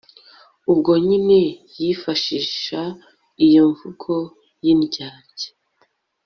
ubwo nyine yifashisha iyo mvugo y'indyarya